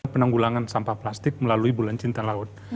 penanggulangan sampah plastik melalui bulan cinta laut